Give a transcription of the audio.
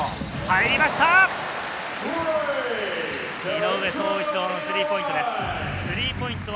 井上のスリーポイント！